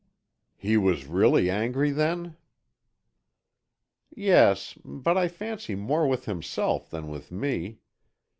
"He was really angry, then?" "Yes, but I fancy more with himself than with me.